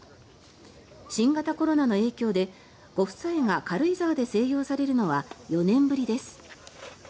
新型コロナの影響でご夫妻が軽井沢で静養されるのは４年ぶりです。